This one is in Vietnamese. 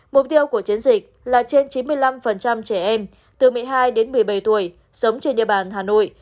mục tiêu của chiến dịch là trên chín mươi năm trẻ em từ một mươi hai đến một mươi bảy tuổi sống trên địa bàn hà nội